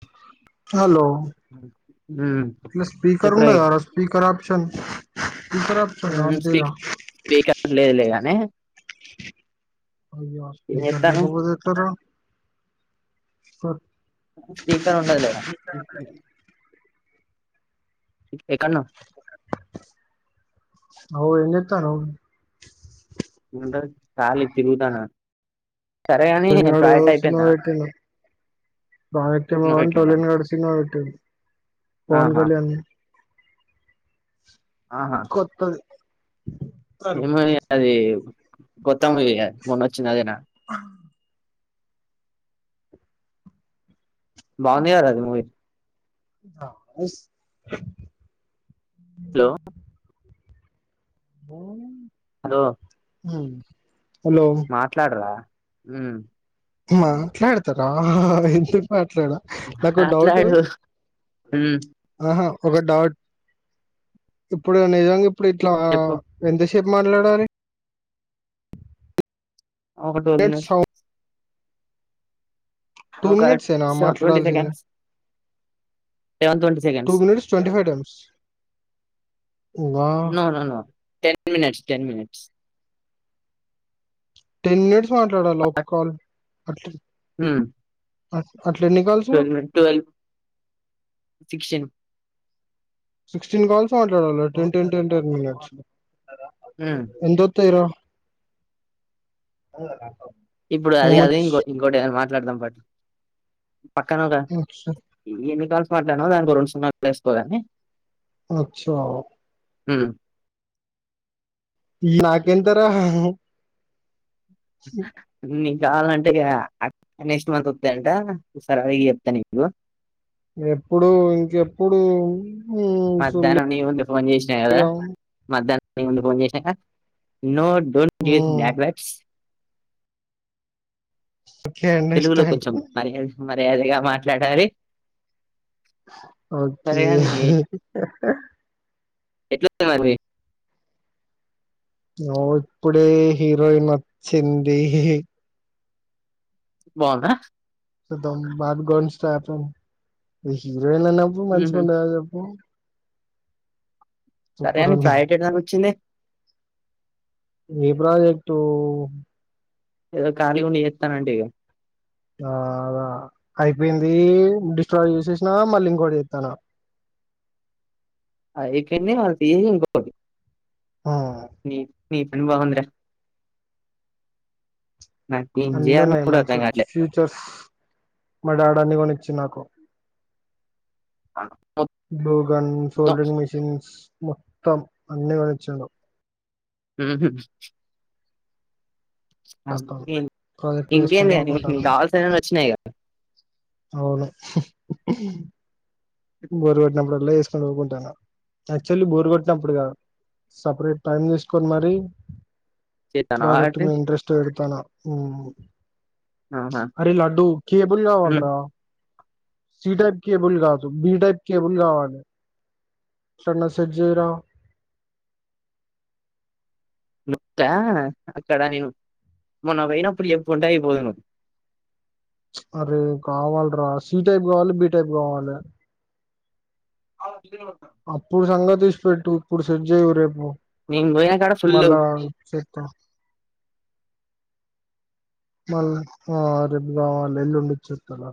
[inaudible] Hello హ్మ్ నువ్ speaker చెప్పురా కదా స్పీకరాప్షన్ స్పీకరాప్షన్ హ్మ్ ఆఫ్ స్పీక్ చేయరా స్పీకర్ లేదులే గాని ఏం చేత్తన్నావ్ [unintelligible] ఆ స్పీకర్ ఉండ [unintelligible] ఎక్కడున్నావ్ [unintelligible] ఏం చేత్తున్నావ్ ఏమంటారు కాలి తింటన [unintelligible] సినిమా పెట్టిండు నువ్వు పెట్టిండా [unintelligible] ఫోన్ [inaudible] ఆహా ఆహా కొత్తది ఏమరి అది కొత్త మూవీ మొన్నోచ్చింది అదేనా ఆ బాగ్ తీయలే అది మూవీ [inaudible] హలో హ హలో మ్మ్ మాట్లాడరా మ్మ్ మాట్లాడత రా వింటున్నాను మాట్లాడు నాకొడౌటు మ్మ్ ఆహా ఒక డౌట్ ఇప్పుడు నిజంగా ఇప్పుడు ఇట్లా చెప్పు ఆవ్ ఎందిష్ చెప్పు మాట్లాడాలి ఒకటుంది మినిట్స్ టూ ఒక మినేట్సేనా ట్వంటీ మాట్లాడాల్సింది. Seconds eleven twenty two seconds minutes twenty five times no no no ten minutes ten minutes ten minutes మాట్లాడాలా ఒక కాల్ అట్లనా హ్మ్ okay twelve twelve sixteen sixteen calls మాట్లాడాలి. టెన్ టెన్ టెన్ మినిట్స్ హ్మ్. ఎంతోతయి రా అ రా ఇప్పుడు అది కాదు ఇంకో ఇంకోటి ఏదన్న మాట్ మాట్లాడుదాం పట్ పక్కనరా అచ్చ ఈ ఎన్ని కాల్స్ మాట్లాడినావ్ దానికి ఓ రెండు సున్నాలు ఏసుకోగాని అచ్చా హ్మ్ నాకెంతరా నీ కావాలంటే ఆ నెక్స్ట్ మంత్ వత్తాయంట సరే ఈ చెప్తానీకు ఎప్పుడు ఇంకెప్పుడు మ్మ్ మధ్యాహ్నం సుల్లిగా నీ ముందు ఫోన్ చేసినా గదా మధ్యాహ్నం నీ ముందు ఫోన్ జెషినగ note don't use hmm bad words okay తెలుగులో అండర్స్టాండ్ కొంచెం [unintelligible] ఎదిగా మాట్లాడాలి ఓకే సరే ఎట్లా ఉతన్నవ్రాగుడి నో ఇప్పుడే హీరోయిన్ వచ్చింది. బాగుందా సుద్దాం బ్యాక్గ్రౌండ్ స్టార్ట్ అయింది. ఇహీమ్ ఎన్నన్న హుహు. మంచిగా ఉంద చెప్పు సరే సూపర్ గాని ఉంది ప్రాజెక్ట్ ఏడి దాంకా వోచ్చింది. ఏ ప్రాజెక్ట్ ఏదో కాళీగా ఉండి చేత్తన్న ఆంటీవి గా ఆ ఆద అయిపోయింది. డిస్ట్రాయి చేసేసిన మళ్ళీ ఇంకోటి చేత్తన్న [unintelligible] ఇంకోటి ని నీ పని బగుంది రా అన్నీ ఉన్నాయి. మంచి ఫ్యూచర్స్ మ డాడీ ఆన్ని కొని చ్చినకు బ్లూ గన్ మొత్తం సోల్డ్రింగ్ మీషన్స్ మొత్తం అన్నీ కొనించిండు. ఉహ్ మొత్తం ప్రాజెక్ట్ ఇంకేంది చేసుకుంటూ యా నీకు ఊకుంటాను కావాల్సినై అన్నీ వోచ్చినాయి. గా అని అవును బోరు కొట్టినప్పుడు అలా వేసుకొని పోఊకుంటాను క్చుల్లీ బోరు కొట్టినప్పుడు కాదు సపరేట్ టైం తీసుకొని మరి చేస్తాను ప్రాజెక్ట్ కాబట్టి ఇంట్రెస్ట్ తన హ్మ్మ్ ఆహా అరె లడ్డు కేబుల్ కావాలి ఉమ్ రా సి టైప్ కేబుల్ కాదు బి టైప్ కేబుల్ కాగావానే ఎలా సజ రా అక్కడా నేను మొన్న పోన అప్పుడు ఎప్పు ఉంటా అయిపోద ను అరే కావాలరా సి టైప్ కావాలి బి టైప్ కావాలి అ అప్పుడు సంగతి ఇడిచిపెట్టు ఇప్పుడు సెట్ చెయ్యి రేపు నేను పోయిన కాడ ఫుల్లు మళ్ళా చెత్తా మళ్ళీ ఆ రేపు కావాలి ఎల్లుండి చూస్తారా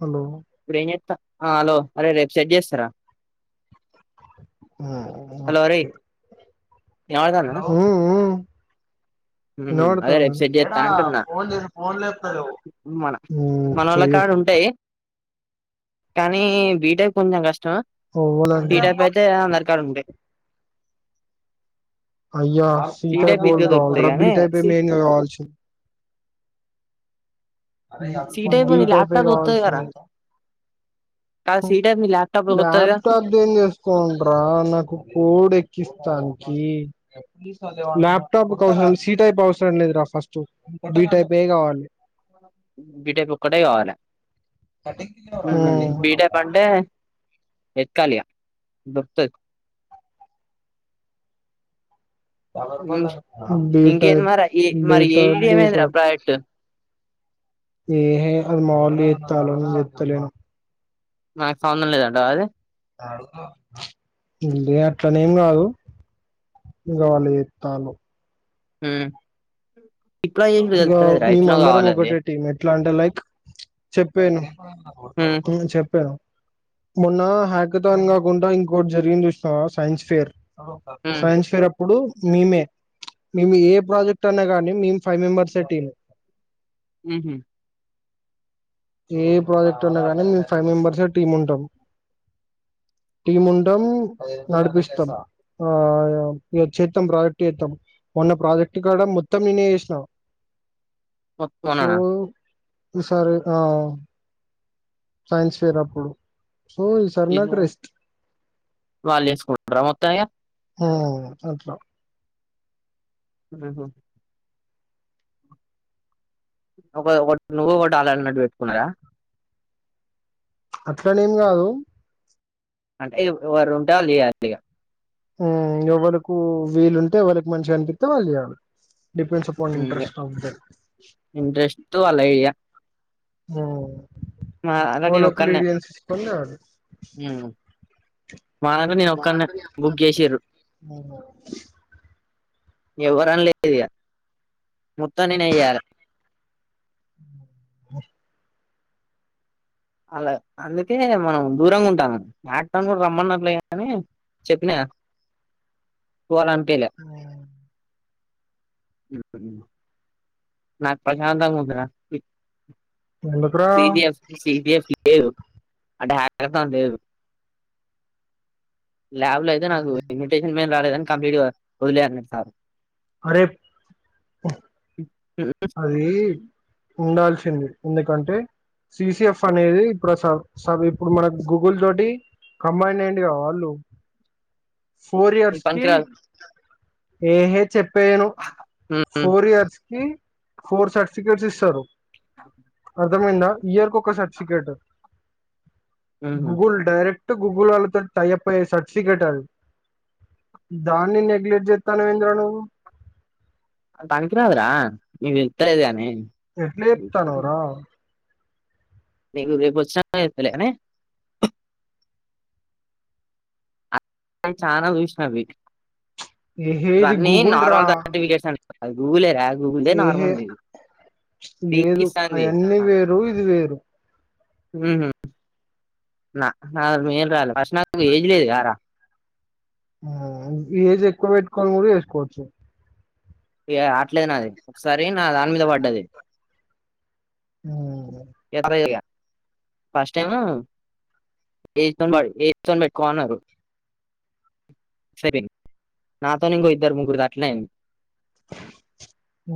హలో ఇప్పుడు ఏం చేస్తున్నావ్ ఆ హలో ఆ రేపు సెట్ చేస్తారా హలో అరే ఓకే యావదనా ఇన్నాడుతుంది చేస్తా అంటున్నా మన మనోళ్ళ చెయ్యి కాడ ఉంటాయి కానీ బీటెక్ కొంచెం కష్టం ఎవ్వలంటే టీటప్ అయితే అందరికాడ ఉంటాయి అయ్యా సీ టైప్ టైల్ ఈజీగా కావాల దొరుకుతాయి రబ్బీ కానీ టై ఏ సి మెయిన్ కావాల సి టైప్ బీ నీ టైపే ల్యాప్టాప్ వత్తది కదరా కావాల్సింది కాదు సి టైప్ నీ ల్యాప్టాప్ వత్తదిగా ల్యాప్టాప్ కి చేసుకోంట్రా నాకు కోడ్ ఎక్కిస్తాను ల్యాప్టాప్వసరం సి టైప్ అవసరం లేదురా ఫస్ట్ బీ టైప్ ఏ కావాలి బిటేపు ఒక్కటే కావాలి బిటే పంటే ఎతకాలిగా దొరుకుతది బీట ఇంకేంది మరి ఏ మరి బెటక్ ఏడిడి ఏమైందిరా బీటక్ ప్రాజెక్ట్ ఏ అమ నాకు సంబంధం లేదంట అది అట్లనే ఏం కాదు ఇంకా వాళ్ళు పిలుతాలు హ్మ్మ్ ఇక మేమందరం ఒకటే టీంట్ ఇట్లా అంటే లైక్ చెప్పాను చెప్పారు మొన్నా హ్యాకతాన్ కాకుండా ఇంకోటి జరిగింది చూసినావా సైన్స్ ఫేర్ సైన్స్ ఫేర్ అప్ ఇప్పుడు మేమే మేము ఏ ప్రాజెక్ట్ అన్నా కానీ మేము ఫైవ్ మెంబెర్సే టీమ్ ఉహూ ఏ ప్రాజెక్ట్ అన్నా కానీ ఫైవ్ మెంబెర్సే టీమ్ ఉంటాం. టీమ్ ఉంటాం నడిపిస్తాం. ఆ చేత్తం ప్రాజెక్ట్ చేత్తం మొన్న ప్రాజెక్ట్ కాడ మొత్తం నేనే చేసి నా పక్కానా ఈ సరే ఆ సైన్స్ ఫేర్ అప్పుడు సో ఈసారి ఇది నాకు రెస్ట్ వాళ్ళేసుకుంటరా మొత్తం ఇగా ఆ అట్లా ఉహ్ ఒక ఒకటి నువ్వు ఒకటి ఆల్లన్నట్టు పెట్టుకున్నారా. అట్ల నీ ఏం గాదు. అంటే ఎవరు ఉంటే వాళ్ళు చేయాలి. ఇగా ఉమ్ ఎవలకు వీలుంటే వాళ్ళకి మంచిగా అనిపిస్తే వాళ్ళు జేయాలి. ఉమ్ ఇంట్రెస్ట్ అలాగే హ్ అలా పోయి నేను ఒక్కన్నే లోకలిడియన్స్ తీసుకొని రావాలి. మా దాంట్లో నేను ఒక్కన్నే బుక్ చేసిర్రు హ్ ఎవ్వరని లేదు ఇగా మొత్తం నేనే చేయ్యలే అలా అందుకే మనం దూరంగా ఉంటాన్నాం. ఆడటం గుడా రమ్మన్నట్లే అని చెప్పినా పోవాలీ ఆనిపియాలే ఉ నాకు ప్రశాంతంగా ఉందిరా ఎందుకురా సిబిఎఫ్ సిబిఎఫ్ లేవు అంటే హ్యక్ర స లేదు ల్యాబ్ లో అయితే నాకు ఇన్విటేషన్ ఏం రాలేదని కంప్లీట్ గా వదిలే అన్నడు సార్ అరేబ్ అది ఉండాల్సింది ఎందుకంటే సిసిఎఫ్ అనేది ఇప్పుడు స సబ్ ఇప్పుడు మనకు గూగుల్ తోటి కంబైన్ అయిండు కా వాళ్ళు ఫోర్ ఇది ఇయర్స్కి పనికిరాదు ఏహే చెప్పేయను ఉమ్, ఫోర్ ఇయర్స్ ఫోర్ సర్టిఫికేట్స్ ఇస్తారు అవ్ అర్థమైంద ఇయర్కి ఒక్క ఒక్కో సర్టిఫికేట్ ఉమ్, గూగుల్ డైరెక్ట్ టు గుూగుల్ వాళ్ళతో టైప్ అయ్యే సర్టిఫికెట్ అది దాన్ని నెగ్లెక్ట్ చేస్తానుేంద్ర నువ్వు అది పనికిరాదు రా. వీళ్ళు ఇస్తాలేరు గానీ ఎట్లే చెప్ త్తెనవ్ రా నీకు రేపు వచ్చిన తెలుత్తా లే అని అ చాలనా చూసిన ఇవి ఈది గూగుల్రా సర్టిఫికేట్స్ అంట అది గూగులే రా ఏహే లేదు పీకిస్తాంది అయన్నీ వేరు ఇది వేరు ఊ హు నా నా మేన్ రాాల ఫస్ నాకు ఏజ్ లేదు గార ఉమ్ఏజ్ ఎక్కువ పెట్టుకోని కూడా వేసుకోవచ్చు అట్లేదు నాది ఒకసారి నా దాని మీద పడ్డది ఉమ్ ఎదావేరియ ఫస్ట్ టైమ్ ఏతో ఏతో పెట్టుకోన్నారు నాతో ఇంకో ఇద్దరు ముగ్గురిది అట్లే అయింది ఉ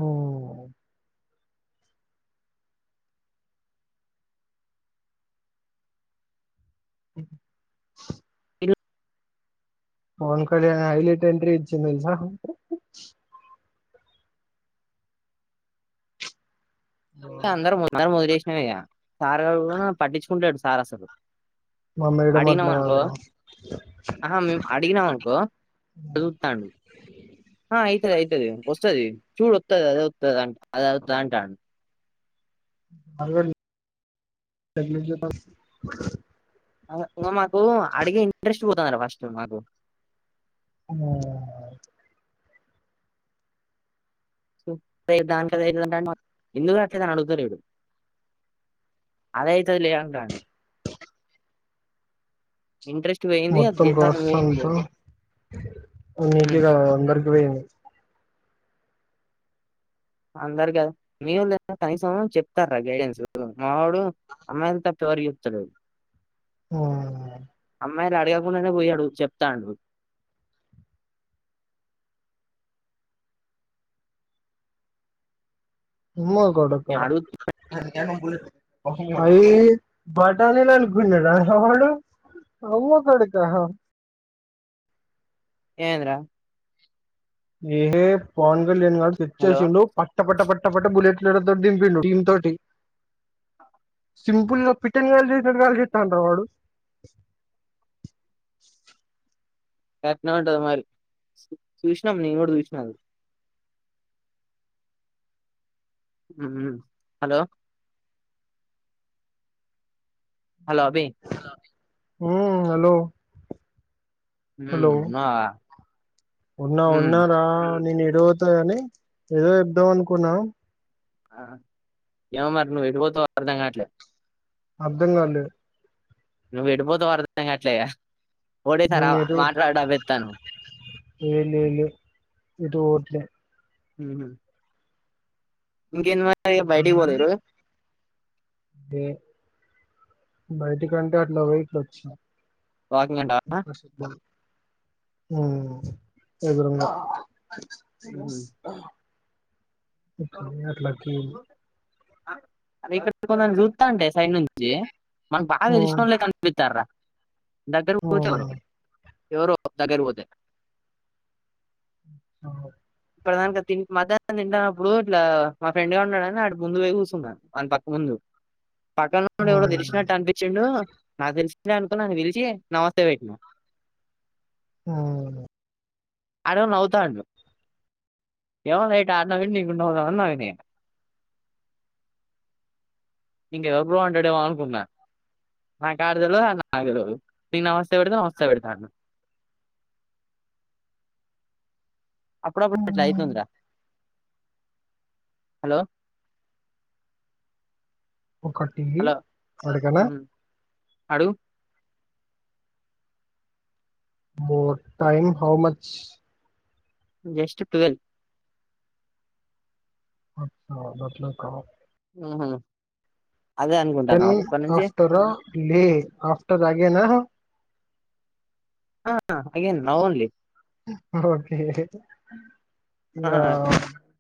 ఇనో అడి బుల్ పవన్ కళ్యాణ్ హైలైట్ ఎంట్రీ ఇచ్చిండు ఇన్నా అందర ముందర వదిలేసిన అయ్యా సార్ పట్టించుకుంటలేడు సార్ అసలు మా మేడం అడిగినాం అట్లా ఆనుకో కాదురా ఆహా మేము అడిగినాం అనుకో చదువుతాండు ఆ అయితది అయితది వస్తు వత్తది చూడు వత్తది అదే వత్తది అంత అంటాండు మగ అది గమ్మ ఓ అడిగ ఇంట్రస్ట్ మాస్టర్ మాకు మ్మ్ బ్యాంక్ దగ్గర ఉన్నాడు ఎందుకు అని అడగట్లేదు అలా అదేయితే లే అంటాండు ఇంట్రెస్ట్ పోయింది అది మొత్తం చేద్దామని మూడు ప్రసంతో లేదు ఉమ్ నీటిగా అందరికి పోయింది అందరు కద మీవాడు కనీసం చెప్తారుర గైడెన్స్ మావాడు అమ్మాయిలకి తప్ప ఎవరికి చెప్పుడు అడు మ్మ్ అమ్మాయిలు అడగకుండానే పోయాడు చెప్తాడు ఉమ్మ కొడుక నేను అడుగు అయి బటానీలా అనుకున్నడా వాడు అవ కడక ఏంద్రా ఏ ప కళ్యాణ తెచ్చ హలో చేసిండు పట్ట పట్ట పట్ట పట్ట బులెట్ దింపిండు దీంతోటి సింపుల్ గా పిట్టని కాల్చేసినట్టు కాల్చేస్టాండు రా వాడు గట్లనే ఉంటది మారి చూసిన నేను గూడా చూసిన మ్మ్ హలో హలో అభి మ్మ్ హలో ఉమ్, హలో ఉన్నావా? ఉన్నా ఉమ్. ఉన్నార నేను ఎద అవుతాయని ఏదో చెద్దాం అనుకున్నా ఆ ఏమో మరి నువ్వు ఎటుపోతావో అర్థం కాట్లే అర్ధం కాలే నువ్వు ఎటుపోతావ అర్థం గాట్లే రా ఓడి సార్ నేను మాట్లాడాబత్తను ఎల్లీ ఎటు పోవట్లే మ్మ్ హ్మ్మ్ ఇంకేమ మచ బయటికి పోలే ఈరోజు అే బయటికంటే అట్లా పోయి ఇట్లోచిన వాకింగే అంటావా మ్మ్ ఎదురుగా హా ఇ అట్లాకి అదే ఇక్కడ కొంద చూస్తా అంటే సైడ్ నుంచి మన బాగా ఉమ్ ఇలిష్టంళ్లే క అనిపితార దగ్గర కి పోతారు ఉమ్ ఎవరో దగ్గరు పోతే ఆ ఇప్పుడు దానికి మధ్యాహ్నం తింటనప్పుడు ఇట్లా మా ఫ్రెండ్ గా ఉన్నాడుని అటు ముందు పో కూర్చుంటాను వాని పక్క ముందు పక్కన నుండి ఎవో ఉమ్ తెలిసినట్టు అనిపించిండు నాకు తెలి న అనుకున్నాను పిలిచి నమస్తే పెట్నా ఉమ్ ఆడవ నావుతాండు డు కేవం నైట్ ఆడ నవ్ నీకుండ అవుతాని వి నను ఇంకెవరు బో అంటాడేమో అనుకున్నా నాకు ఆడ తెలి నాకు తెలిదు నీ న వస్తే పెడితే నవ వస్తే పెడతాడు అప్పుడప్పుడు ఎట్లా మ్మ్. అయ్తుందిరా హలో ఒకటి అడాగనా ఆడుగు more time how much just twelve అట్లా బదలే కా ఉహుమ్ దన్ ఆఫ్టర్ లే ఆఫ్టర్ అగేనా ఆ అగేన్ నౌ ఓన్లీ ఓకే ఆ